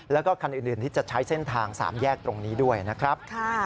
แล้วก็คันอื่นที่จะใช้เส้นทาง๓แยกตรงนี้ด้วยนะครับ